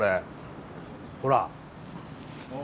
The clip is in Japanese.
ほら。